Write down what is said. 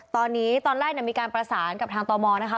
ตอนนี้ตอนแรกมีการประสานกับทางตมนะคะ